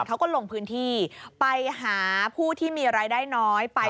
เขาก็ลงพื้นที่ไปหาผู้ที่มีรายได้น้อยไป